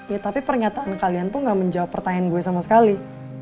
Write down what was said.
ya tapi pernyataan kalian tuh gak menjawab pertanyaan gue sama sekali